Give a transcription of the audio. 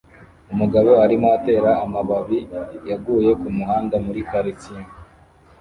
Umugabo arimo atera amababi yaguye mumuhanda muri quartier